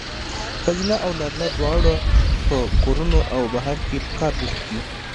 ښځینه او نارینه دواړه په کورونو او بهر کې په کار بوخت دي.